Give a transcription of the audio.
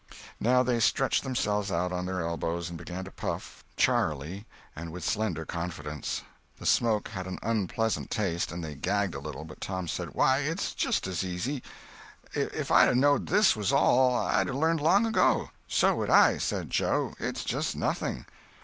Now they stretched themselves out on their elbows and began to puff, charily, and with slender confidence. The smoke had an unpleasant taste, and they gagged a little, but Tom said: "Why, it's just as easy! If I'd a knowed this was all, I'd a learnt long ago." "So would I," said Joe. "It's just nothing."